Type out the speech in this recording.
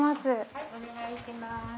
はいお願いします。